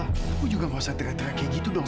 aku juga gak usah teriak teriak kayak gitu dong